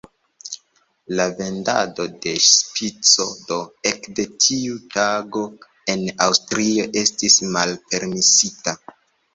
La vendado de "Spico" do ekde tiu tago en Aŭstrio estis malpermesita.